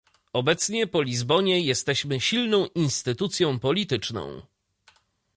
Obecnie, po Lizbonie, jesteśmy silną instytucją polityczną